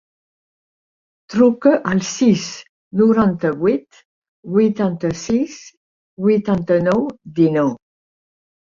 Truca al sis, noranta-vuit, vuitanta-sis, vuitanta-nou, dinou.